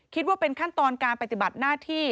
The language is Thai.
คิดว่าเป็นขั้นตอนการปฏิบัติหน้าที่